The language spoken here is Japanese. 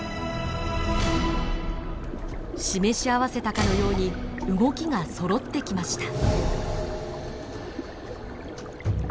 示し合わせたかのように動きがそろってきました。